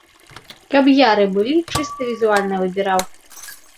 Каб яры былі, чыста візуальна выбіраў.